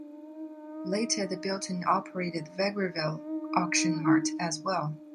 Later they built and operated the Vegreville Auction Mart as well.